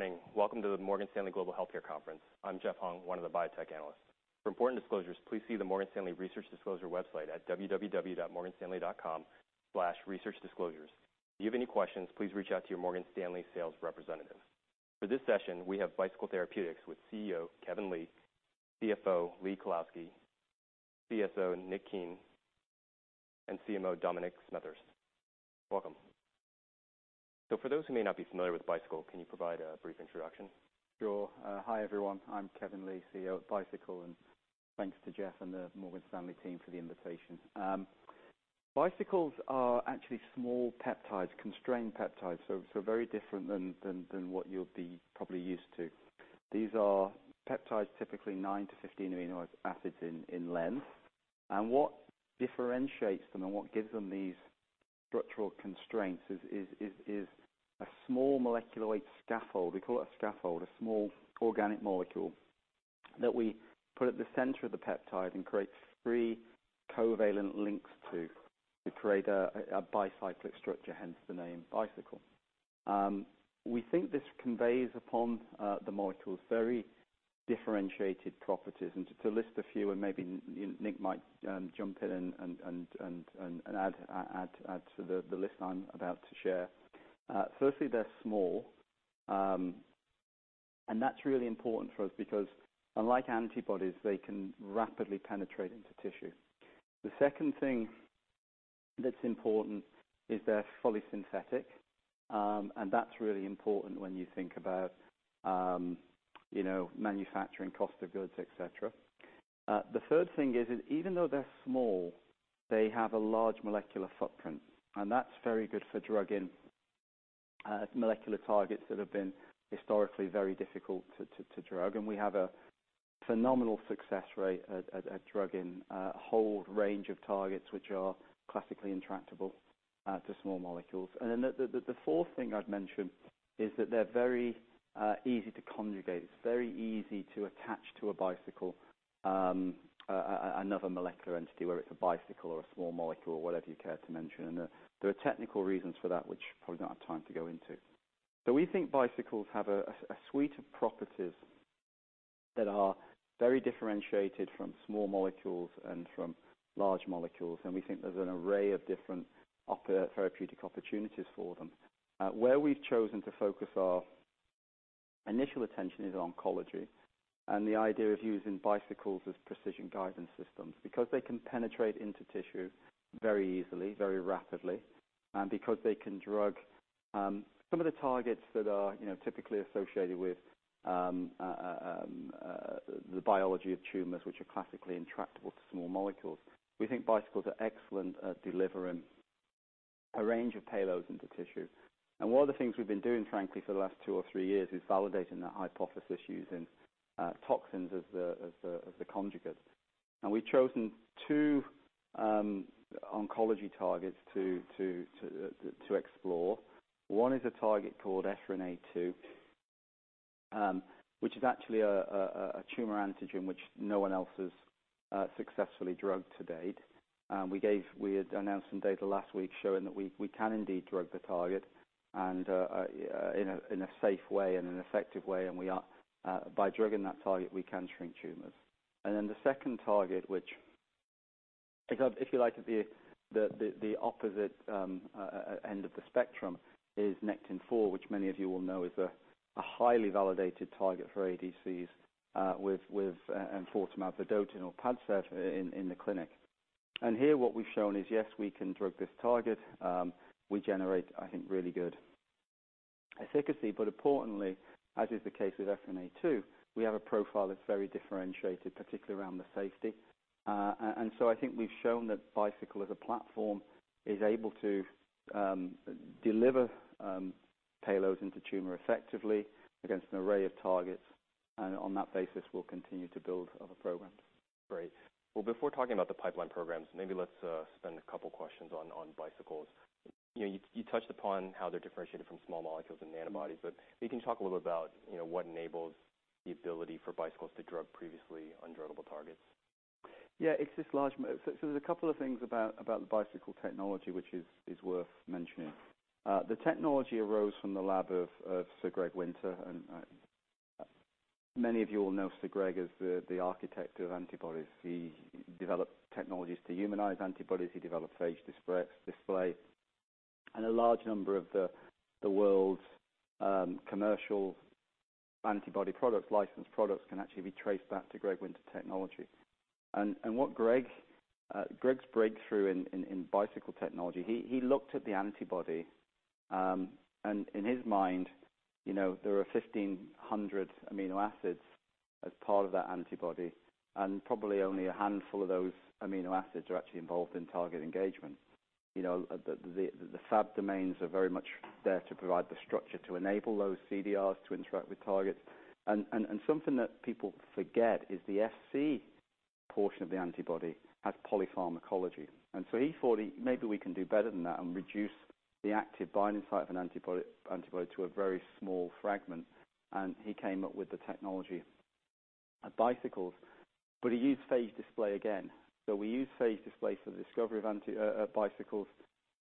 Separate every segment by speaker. Speaker 1: Morning. Welcome to the Morgan Stanley Global Healthcare Conference. I'm Jeff Hung, one of the biotech analysts. For important disclosures, please see the Morgan Stanley Research Disclosure website at www.morganstanley.com/researchdisclosures. If you have any questions, please reach out to your Morgan Stanley sales representative. For this session, we have Bicycle Therapeutics with CEO, Kevin Lee, CFO, Lee Kalinowski, CSO, Nick Keen, and CMO, Dominic Smethurst. Welcome. For those who may not be familiar with Bicycle, can you provide a brief introduction?
Speaker 2: Sure. Hi, everyone. I'm Kevin Lee, CEO of Bicycle, and thanks to Jeff and the Morgan Stanley team for the invitation. Bicycles are actually small peptides, constrained peptides, so very different than what you'll be probably used to. These are peptides, typically nine to 15 amino acids in length. What differentiates them and what gives them these structural constraints is a small molecular weight scaffold. We call it a scaffold, a small organic molecule that we put at the center of the peptide and creates three covalent links to create a bicyclic structure, hence the name Bicycle. We think this conveys upon the molecule's very differentiated properties. To list a few, maybe Nick might jump in and add to the list I'm about to share. Firstly, they're small, and that's really important for us because unlike antibodies, they can rapidly penetrate into tissue. The second thing that's important is they're fully synthetic, and that's really important when you think about, you know, manufacturing cost of goods, etc. The third thing is even though they're small, they have a large molecular footprint, and that's very good for drugging molecular targets that have been historically very difficult to drug. We have a phenomenal success rate at drugging a whole range of targets, which are classically intractable to small molecules. Then the fourth thing I'd mention is that they're very easy to conjugate. It's very easy to attach to a bicycle another molecular entity, whether it's a bicycle or a small molecule or whatever you care to mention. There are technical reasons for that, which probably don't have time to go into. We think bicycles have a suite of properties that are very differentiated from small molecules and from large molecules. We think there's an array of different therapeutic opportunities for them. Where we've chosen to focus our initial attention is oncology and the idea of using bicycles as precision guidance systems, because they can penetrate into tissue very easily, very rapidly, and because they can drug some of the targets that are, you know, typically associated with the biology of tumors, which are classically intractable to small molecules. We think bicycles are excellent at delivering a range of payloads into tissue. One of the things we've been doing, frankly, for the last two or three years is validating that hypothesis using toxins as the conjugates. We've chosen two oncology targets to explore. One is a target called Ephrin A2, which is actually a tumor antigen which no one else has successfully drugged to date. We had announced some data last week showing that we can indeed drug the target and in a safe way and an effective way. We are by drugging that target, we can shrink tumors. The second target, which, if you like, to be the opposite end of the spectrum, is Nectin-4, which many of you will know is a highly validated target for ADCs, with enfortumab vedotin or PADCEV in the clinic. Here what we've shown is, yes, we can drug this target. We generate, I think, really good efficacy. But importantly, as is the case with EphA2, we have a profile that's very differentiated, particularly around the safety. So I think we've shown that Bicycle as a platform is able to deliver payloads into tumor effectively against an array of targets. On that basis, we'll continue to build other programs.
Speaker 1: Great. Well, before talking about the pipeline programs, maybe let's spend a couple questions on Bicycles. You know, you touched upon how they're differentiated from small molecules and nanobodies, but if you can talk a little about, you know, what enables the ability for Bicycles to drug previously undruggable targets?
Speaker 2: There's a couple of things about the Bicycle technology, which is worth mentioning. The technology arose from the lab of Sir Greg Winter, and many of you will know Sir Greg as the architect of antibodies. He developed technologies to humanize antibodies. He developed phage display, and a large number of the world's commercial antibody products, licensed products can actually be traced back to Greg Winter technology. What Greg's breakthrough in Bicycle technology, he looked at the antibody, and in his mind, you know, there are 1,500 amino acids as part of that antibody, and probably only a handful of those amino acids are actually involved in target engagement. You know, the Fab domains are very much there to provide the structure to enable those CDRs to interact with targets. Something that people forget is the Fc portion of the antibody has polypharmacology. He thought, maybe we can do better than that and reduce the active binding site of an antibody to a very small fragment. He came up with the technology at Bicycles, but we use phage display again. We use phage display for the discovery of bicycles,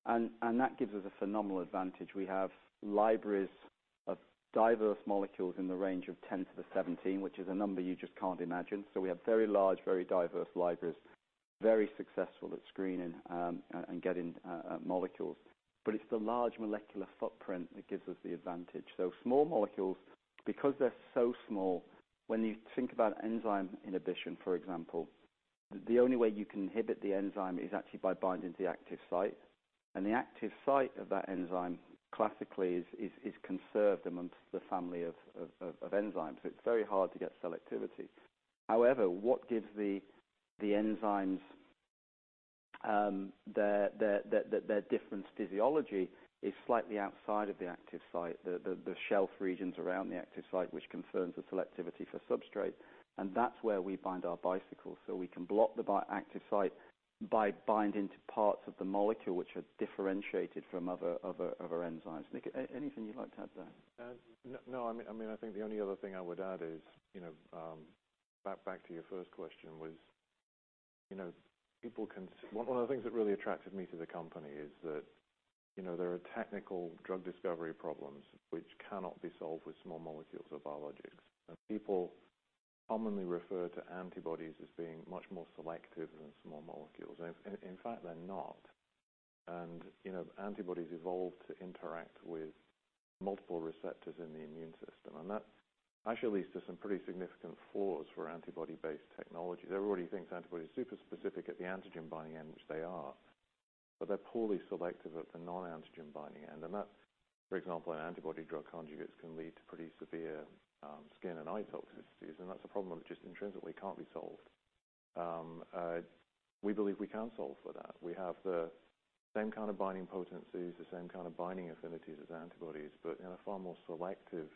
Speaker 2: and that gives us a phenomenal advantage. We have libraries of diverse molecules in the range of 10 to the 17, which is a number you just can't imagine. We have very large, very diverse libraries, very successful at screening and getting molecules. It's the large molecular footprint that gives us the advantage. Small molecules, because they're so small, when you think about enzyme inhibition, for example, the only way you can inhibit the enzyme is actually by binding the active site, and the active site of that enzyme classically is conserved amongst the family of enzymes. It's very hard to get selectivity. However, what gives the enzymes their different physiology is slightly outside of the active site, the shelf regions around the active site, which confirms the selectivity for substrate, and that's where we bind our bicycles. We can block the active site by binding to parts of the molecule which are differentiated from other enzymes. Nick, anything you'd like to add there?
Speaker 3: No. I mean, I think the only other thing I would add is, you know, back to your first question was, you know, One of the things that really attracted me to the company is that, you know, there are technical drug discovery problems which cannot be solved with small molecules or biologics. People commonly refer to antibodies as being much more selective than small molecules. In fact, they're not. You know, antibodies evolve to interact with multiple receptors in the immune system, and that actually leads to some pretty significant flaws for antibody-based technologies. Everybody thinks antibodies are super specific at the antigen binding end, which they are, but they're poorly selective at the non-antigen binding end. That, for example, in antibody-drug conjugates, can lead to pretty severe, skin and eye toxicities, and that's a problem that just intrinsically can't be solved. We believe we can solve for that. We have the same kind of binding potencies, the same kind of binding affinities as antibodies, but in a far more selective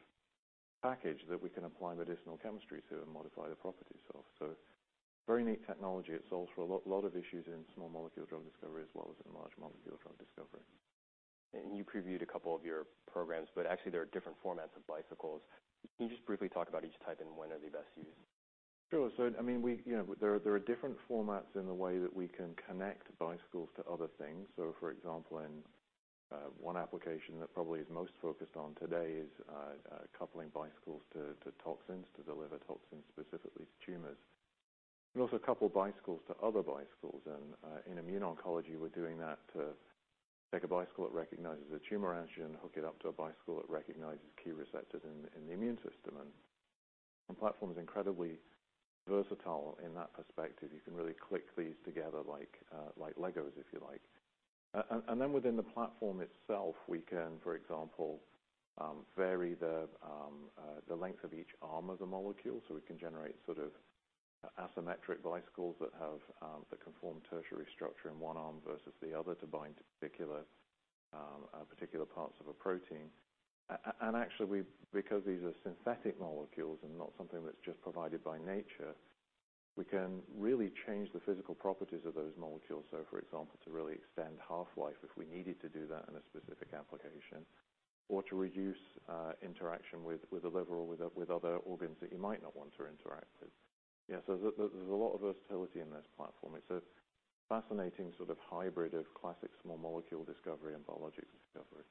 Speaker 3: package that we can apply medicinal chemistry to and modify the properties of. Very neat technology. It solves for a lot of issues in small-molecule drug discovery, as well as in large-molecule drug discovery.
Speaker 1: You previewed a couple of your programs, but actually there are different formats of bicycles. Can you just briefly talk about each type and when are they best used?
Speaker 3: Sure. I mean, we, you know, there are different formats in the way that we can connect bicycles to other things. For example, in one application that probably is most focused on today is coupling bicycles to toxins to deliver toxins, specifically to tumors. You can also couple bicycles to other bicycles, and in immune oncology, we're doing that to take a bicycle that recognizes a tumor antigen and hook it up to a bicycle that recognizes key receptors in the immune system. The platform is incredibly versatile in that perspective. You can really click these together like Legos, if you like. Then within the platform itself, we can, for example, vary the length of each arm of the molecule, so we can generate sort of asymmetric bicycles that can form tertiary structure in one arm versus the other to bind to particular parts of a protein. Actually, because these are synthetic molecules and not something that's just provided by nature, we can really change the physical properties of those molecules. For example, to really extend half-life if we needed to do that in a specific application or to reduce interaction with the liver or with other organs that you might not want to interact with. There's a lot of versatility in this platform. It's a fascinating sort of hybrid of classic small molecule discovery and biologic discovery.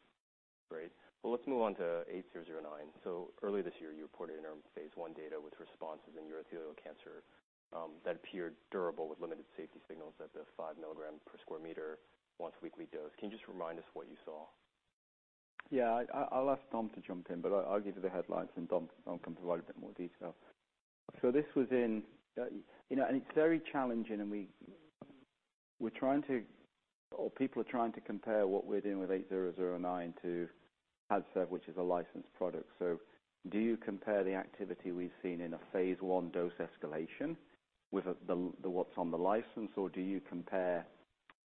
Speaker 1: Great. Well, let's move on to BT8009. Early this year, you reported interim phase I data with responses in urothelial cancer that appeared durable with limited safety signals at the 5 mg per square meter once-weekly dose. Can you just remind us what you saw?
Speaker 2: Yeah. I'll ask Dom to jump in, but I'll give you the headlines, and Dom can provide a bit more detail. It's very challenging and we're trying to or people are trying to compare what we're doing with 8009 to PADCEV, which is a licensed product. Do you compare the activity we've seen in a phase I dose escalation with the what's on the license? Or do you compare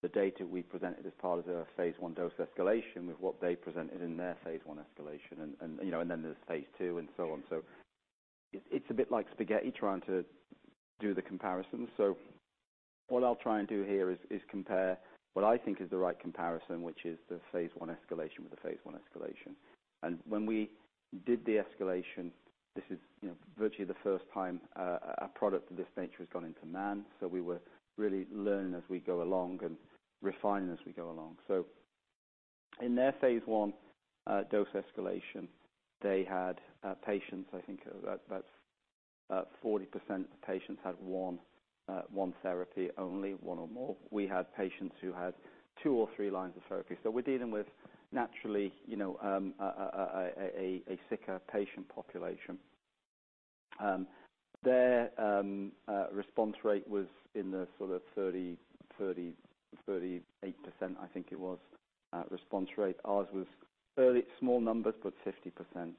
Speaker 2: the data we presented as part of the phase I dose escalation with what they presented in their phase I escalation and you know and then there's phase II and so on. It's a bit like spaghetti trying to do the comparison. What I'll try and do here is compare what I think is the right comparison, which is the phase I escalation with the phase I escalation. When we did the escalation, this is, you know, virtually the first time a product of this nature has gone into man, so we were really learning as we go along and refining as we go along. In their phase I dose escalation, they had patients, I think about 40% of patients had one therapy, only one or more. We had patients who had two or three lines of therapy. We're dealing with naturally, you know, a sicker patient population. Their response rate was in the sort of 38%, I think it was, response rate. Ours was early small numbers, but 50%.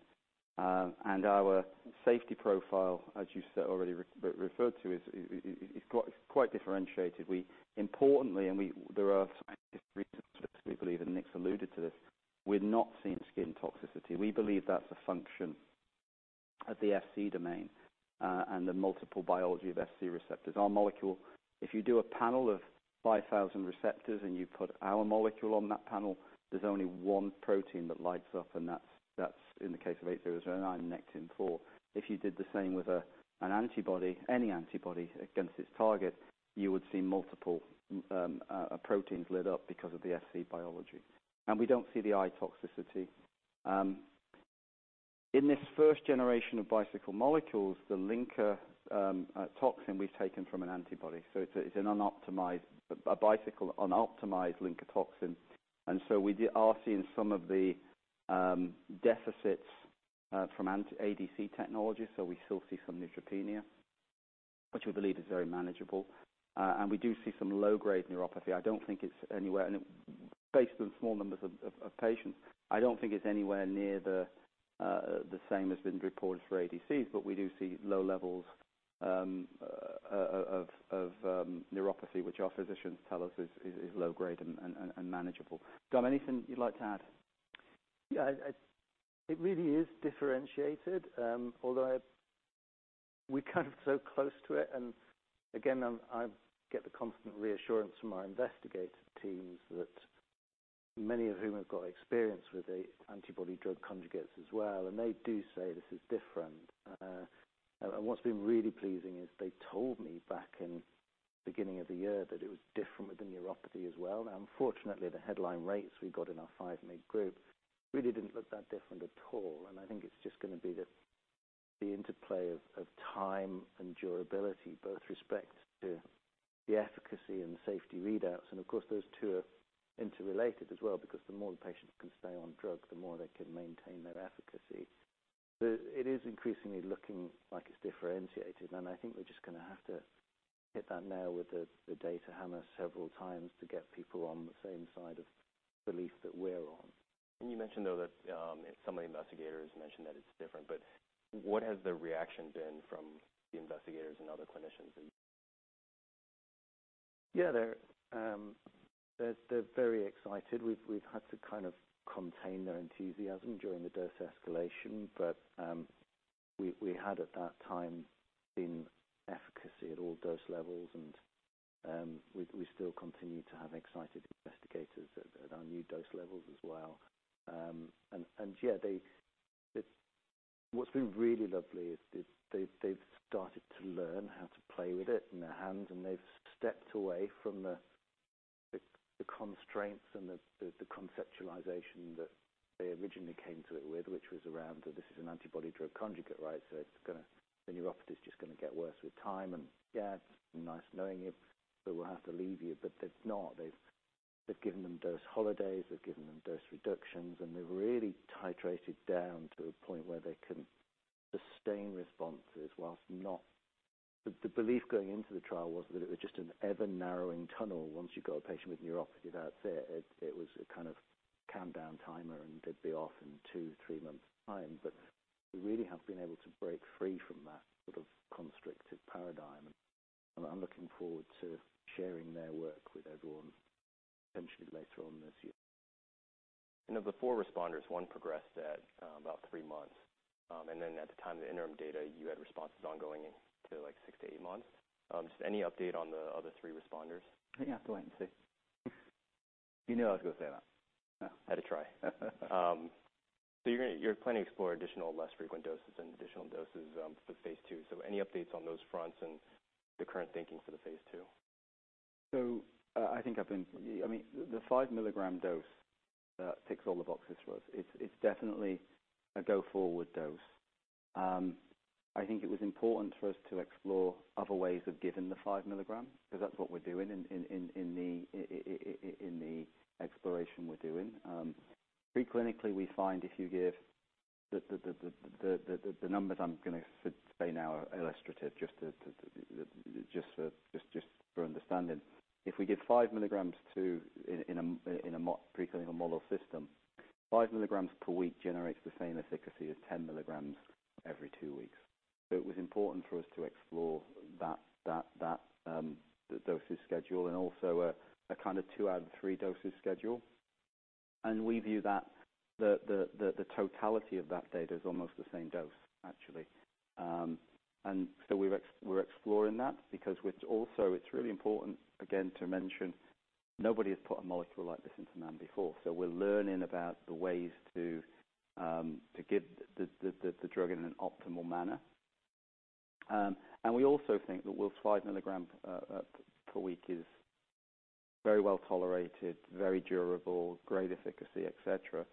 Speaker 2: Our safety profile, as you already referred to, is quite differentiated. Importantly, there are scientific reasons for this, we believe, and Nick's alluded to this. We've not seen skin toxicity. We believe that's a function of the Fc domain and the multiple biology of Fc receptors. Our molecule, if you do a panel of 5,000 receptors and you put our molecule on that panel, there's only one protein that lights up and that's in the case of BT8009 Nectin-4. If you did the same with an antibody, any antibody against its target, you would see multiple proteins lit up because of the Fc biology. We don't see the eye toxicity. In this first generation of Bicycle molecules, the linker toxin we've taken from an antibody. It's an unoptimized Bicycle unoptimized linker toxin. We are seeing some of the deficits from ADC technology, so we still see some neutropenia, which we believe is very manageable. We do see some low-grade neuropathy. Based on small numbers of patients, I don't think it's anywhere near the same as been reported for ADCs, but we do see low levels of neuropathy, which our physicians tell us is low grade and manageable. Dom, anything you'd like to add?
Speaker 4: Yeah. It really is differentiated. Although we're kind of so close to it, and again, I get the constant reassurance from our investigator teams that many of whom have got experience with the antibody-drug conjugates as well, and they do say this is different. What's been really pleasing is they told me back in beginning of the year that it was different with the neuropathy as well. Now unfortunately, the headline rates we got in our 5-mg group really didn't look that different at all. I think it's just gonna be the interplay of time and durability, both with respect to the efficacy and safety readouts. Of course, those two are interrelated as well because the more the patient can stay on drug, the more they can maintain their efficacy. It is increasingly looking like it's differentiated, and I think we're just gonna have to hit that nail with the data hammer several times to get people on the same side of belief that we're on.
Speaker 1: You mentioned, though, that some of the investigators mentioned that it's different, but what has the reaction been from the investigators and other clinicians that?
Speaker 4: Yeah. They're very excited. We've had to kind of contain their enthusiasm during the dose escalation, but we had, at that time, seen efficacy at all dose levels, and we still continue to have excited investigators at our new dose levels as well. Yeah, what's been really lovely is they've started to learn how to play with it in their hands, and they've stepped away from the constraints and the conceptualization that they originally came to it with, which was around that this is an antibody-drug conjugate, right? The neuropathy is just gonna get worse with time. Yeah, it's been nice knowing you, but we'll have to leave you. It's not. They've given them dose holidays, they've given them dose reductions, and they've really titrated down to a point where they can sustain responses while not. The belief going into the trial was that it was just an ever-narrowing tunnel. Once you got a patient with neuropathy, that's it. It was a kind of countdown timer, and they'd be off in 2, 3 months' time. We really have been able to break free from that sort of constrictive paradigm, and I'm looking forward to sharing their work with everyone potentially later on this year.
Speaker 1: Of the 4 responders, 1 progressed at about 3 months. At the time of the interim data, you had responses ongoing to like 6-8 months. Just any update on the other 3 responders?
Speaker 4: You have to wait and see.
Speaker 1: You knew I was gonna say that. Yeah. Had to try. You're planning to explore additional less frequent doses and additional doses for phase II. Any updates on those fronts and the current thinking for the phase II?
Speaker 4: I think I mean, the 5-milligram dose ticks all the boxes for us. It's definitely a go forward dose. I think it was important for us to explore other ways of giving the 5 milligrams, 'cause that's what we're doing in the exploration we're doing. Pre-clinically, we find if you give the numbers I'm gonna say now are illustrative just for understanding. If we give 5 milligrams in a preclinical model system, 5 milligrams per week generates the same efficacy as 10 milligrams every 2 weeks. It was important for us to explore that dosage schedule and also a kind of 2 out of 3 dosage schedule. We view that the totality of that data is almost the same dose, actually. We're exploring that because it's really important, again, to mention nobody has put a molecule like this into man before. We're learning about the ways to give the drug in an optimal manner. We also think that while 5 mg per week is very well-tolerated, very durable, great efficacy, et cetera,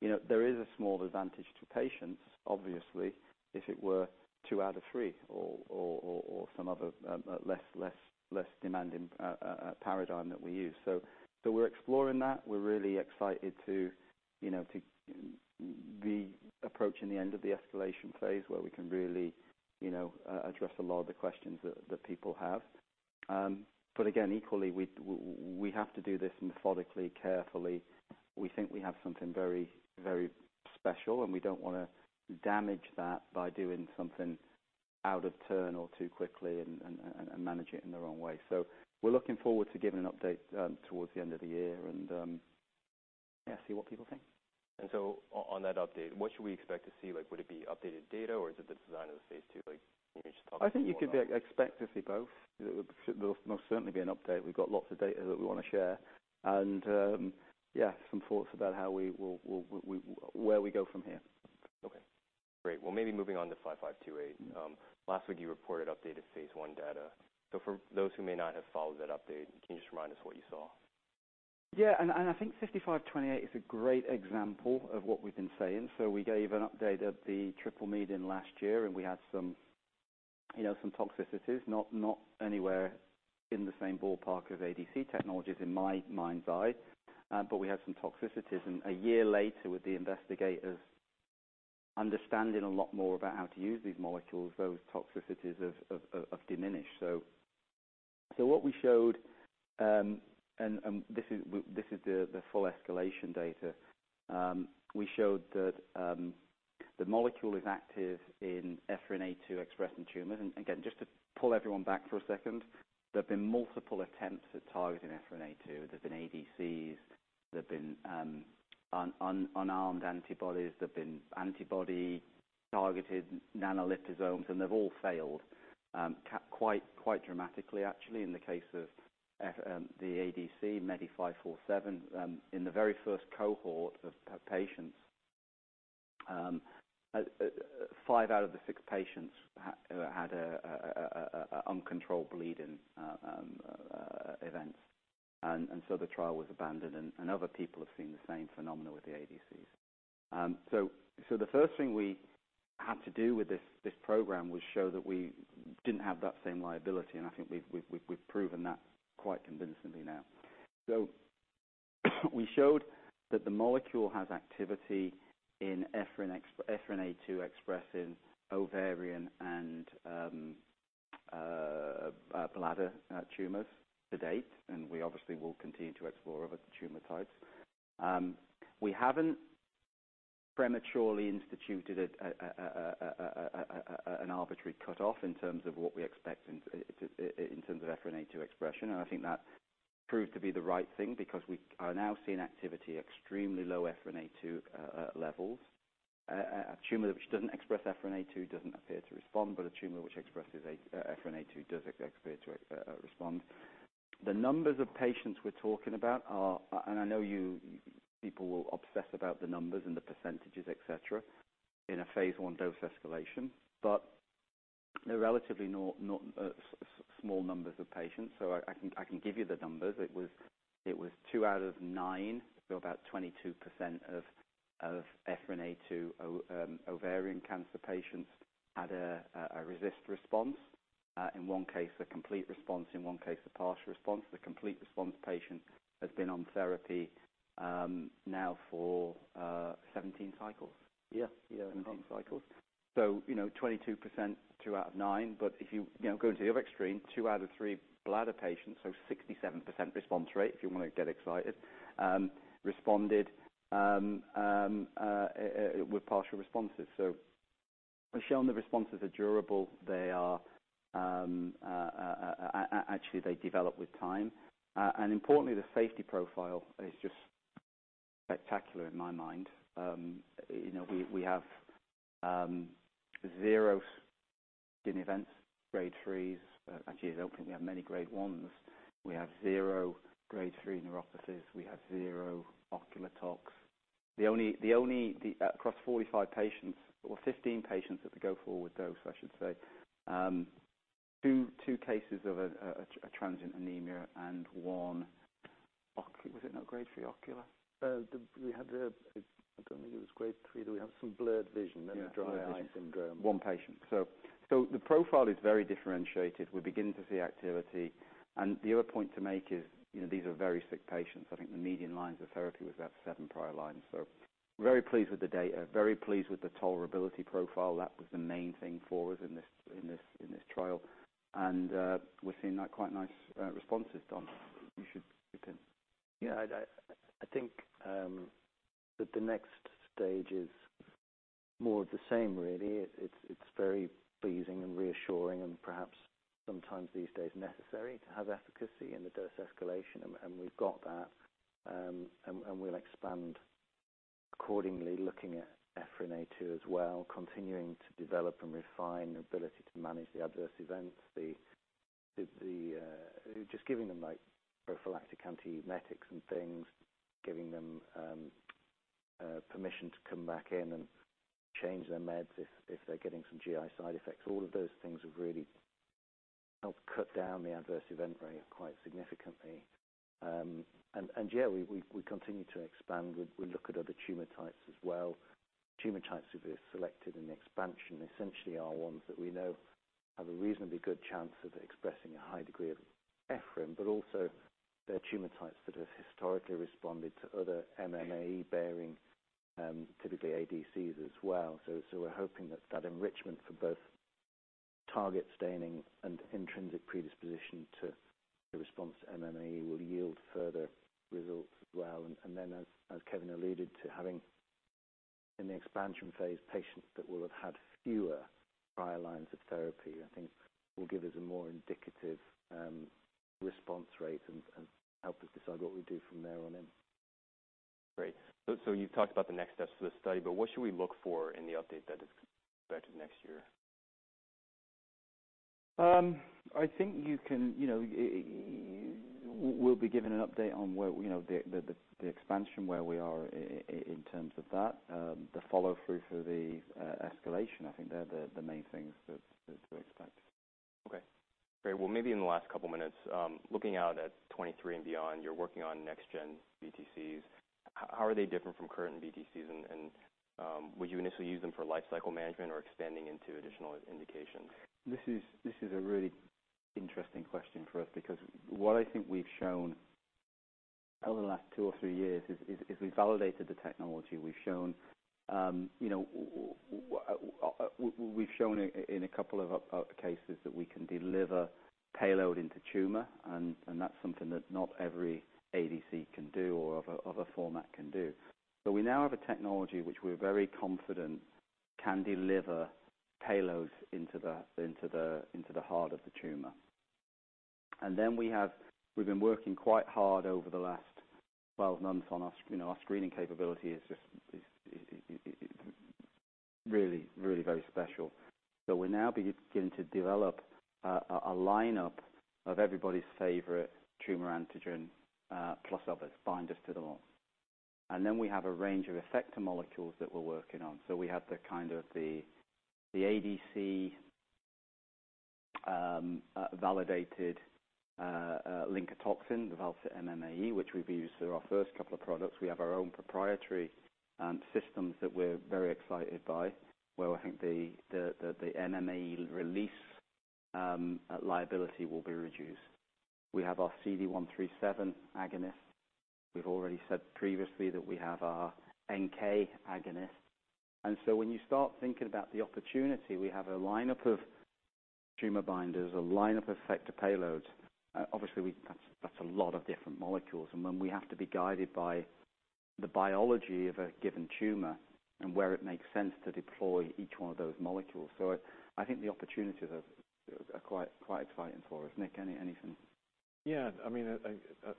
Speaker 4: you know, there is a small advantage to patients, obviously, if it were two out of three or some other less demanding paradigm that we use. We're exploring that. We're really excited to, you know, to be approaching the end of the escalation phase where we can really, you know, address a lot of the questions that people have. But again, equally, we have to do this methodically, carefully. We think we have something very, very special, and we don't wanna damage that by doing something out of turn or too quickly and manage it in the wrong way. We're looking forward to giving an update towards the end of the year and, yeah, see what people think.
Speaker 1: On that update, what should we expect to see? Like, would it be updated data, or is it the design of the phase II? Like, can you just talk a bit more about?
Speaker 4: I think you could expect to see both. There'll most certainly be an update. We've got lots of data that we wanna share. Yeah, some thoughts about how we will where we go from here.
Speaker 1: Okay. Great. Well, maybe moving on to BT5528. Last week you reported updated phase I data. For those who may not have followed that update, can you just remind us what you saw?
Speaker 2: I think fifty-five twenty-eight is a great example of what we've been saying. We gave an update at the Triple Meeting last year, and we had some, you know, some toxicities, not anywhere in the same ballpark as ADC technologies in my mind's eye. We had some toxicities. A year later, with the investigators understanding a lot more about how to use these molecules, those toxicities have diminished. What we showed, and this is the full escalation data. We showed that the molecule is active in EphA2 expressing tumors. Again, just to pull everyone back for a second, there have been multiple attempts at targeting EphA2. There's been ADCs, there have been unarmed antibodies, there have been antibody-targeted nanoliposomes, and they've all failed quite dramatically actually in the case of the ADC MEDI-547. In the very first cohort of patients, five out of the six patients had an uncontrolled bleeding event. The trial was abandoned, and other people have seen the same phenomena with the ADCs. The first thing we had to do with this program was show that we didn't have that same liability, and I think we've proven that quite convincingly now. We showed that the molecule has activity in EphA2 expressing ovarian and bladder tumors to date, and we obviously will continue to explore other tumor types. We haven't prematurely instituted an arbitrary cutoff in terms of what we expect in terms of EphA2 expression. I think that proved to be the right thing because we are now seeing activity extremely low EphA2 levels. A tumor which doesn't express EphA2 doesn't appear to respond, but a tumor which expresses EphA2 does expect to respond. The numbers of patients we're talking about are... I know you people will obsess about the numbers and the percentages, et cetera, in a phase I dose escalation, but they're relatively not small numbers of patients, so I can give you the numbers. It was 2 out of 9, so about 22% of EphA2 ovarian cancer patients had a RECIST response. In one case, a complete response, in one case, a partial response. The complete response patient has been on therapy now for 17 cycles.
Speaker 4: Yeah. Yeah.
Speaker 2: 17 cycles. You know, 22%, 2 out of 9. If you know, go to the other extreme, 2 out of 3 bladder patients, 67% response rate, if you wanna get excited, responded with partial responses. We've shown the responses are durable. They are actually, they develop with time. Importantly, the safety profile is just spectacular in my mind. You know, we have 0 TIN events, grade 3s. Actually, I don't think we have many grade 1s. We have 0 grade 3 neuropathies. We have 0 ocular tox. The only across 45 patients or 15 patients at the go-forward dose, I should say, two cases of a transient anemia and one ocular.
Speaker 4: Was it not grade 3 ocular? I don't think it was grade three, though. We have some blurred vision.
Speaker 2: Yeah.
Speaker 4: Dry eye syndrome.
Speaker 2: One patient. The profile is very differentiated. We're beginning to see activity. The other point to make is, you know, these are very sick patients. I think the median lines of therapy was about 7 prior lines. Very pleased with the data, very pleased with the tolerability profile. That was the main thing for us in this trial. We're seeing quite nice responses. Dom, you should jump in.
Speaker 4: Yeah. I think that the next stage is more of the same really. It's very pleasing and reassuring and perhaps sometimes these days necessary to have efficacy in the dose escalation, and we've got that. And we'll expand accordingly looking at EphA2 as well, continuing to develop and refine ability to manage the adverse events. Just giving them, like, prophylactic antiemetics and things, giving them permission to come back in and change their meds if they're getting some GI side effects. All of those things have really helped cut down the adverse event rate quite significantly. And yeah, we continue to expand. We look at other tumor types as well. Tumor types that we have selected in the expansion essentially are ones that we know have a reasonably good chance of expressing a high degree of EphA2, but also they're tumor types that have historically responded to other MMAE-bearing, typically ADCs as well. So we're hoping that enrichment for both target staining and intrinsic predisposition to the response to MMAE will yield further results as well. Then as Kevin alluded to, having in the expansion phase patients that will have had fewer prior lines of therapy, I think will give us a more indicative response rate and help us decide what we do from there on in.
Speaker 1: Great. You've talked about the next steps for the study, but what should we look for in the update that is expected next year?
Speaker 2: I think you can, you know, we'll be giving an update on where, you know, the expansion, where we are in terms of that. The follow-through for the escalation. I think they're the main things to expect.
Speaker 1: Okay. Great. Well, maybe in the last couple minutes, looking out at 2023 and beyond, you're working on next gen BTCs. How are they different from current BTCs? Would you initially use them for lifecycle management or expanding into additional indications?
Speaker 2: This is a really interesting question for us because what I think we've shown over the last 2 or 3 years is we've validated the technology. We've shown, you know, we've shown in a couple of cases that we can deliver payload into tumor, and that's something that not every ADC can do or other format can do. We now have a technology which we're very confident can deliver payloads into the heart of the tumor. We've been working quite hard over the last 12 months on our, you know, our screening capability is just really very special. We're now beginning to develop a lineup of everybody's favorite tumor antigen, plus others, binders to them all. We have a range of effector molecules that we're working on. We have the ADC validated linker toxin, the Val-Cit-MMAE, which we've used for our first couple of products. We have our own proprietary systems that we're very excited by, where we think the MMAE release liability will be reduced. We have our CD137 agonist. We've already said previously that we have our NK agonist. When you start thinking about the opportunity, we have a lineup of tumor binders, a lineup of effector payloads. Obviously, we—that's a lot of different molecules. When we have to be guided by the biology of a given tumor and where it makes sense to deploy each one of those molecules. I think the opportunities are quite exciting for us. Nick, anything?
Speaker 3: Yeah, I mean,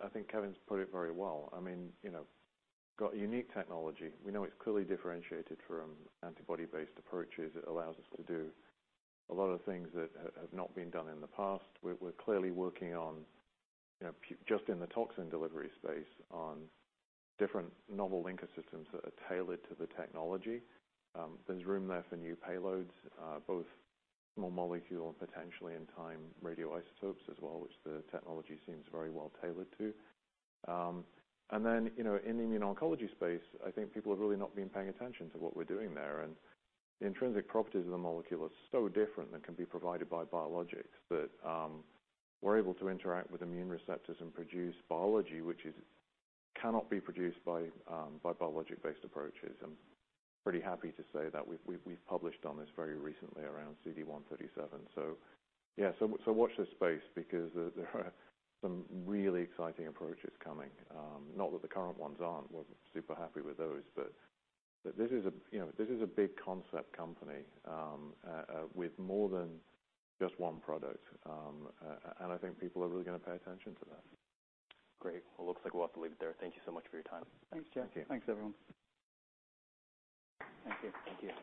Speaker 3: I think Kevin's put it very well. I mean, you know, got unique technology. We know it's clearly differentiated from antibody-based approaches. It allows us to do a lot of things that have not been done in the past. We're clearly working on, you know, just in the toxin delivery space, on different novel linker systems that are tailored to the technology. There's room there for new payloads, both small molecule and potentially in time radioisotopes as well, which the technology seems very well tailored to. You know, in the immuno-oncology space, I think people have really not been paying attention to what we're doing there. The intrinsic properties of the molecule are so different than can be provided by biologics, that we're able to interact with immune receptors and produce biology, which cannot be produced by biologic-based approaches. I'm pretty happy to say that we've published on this very recently around CD137. Yeah, watch this space because there are some really exciting approaches coming. Not that the current ones aren't. We're super happy with those. This is a, you know, this is a big concept company with more than just one product. I think people are really gonna pay attention to that.
Speaker 1: Great. Well, looks like we'll have to leave it there. Thank you so much for your time.
Speaker 2: Thanks, Jeff.
Speaker 3: Thank you.
Speaker 2: Thanks, everyone.
Speaker 1: Thank you. Thank you.